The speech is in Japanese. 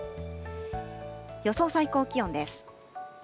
予想最高気温です。